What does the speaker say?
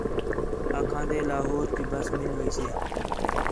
آکھان٘دے لاہور تی بس مِل ویسے